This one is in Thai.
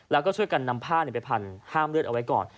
แล้วก็ช่วยกันนำผ้าไปพันห้ามเลือดเอาไว้ก่อน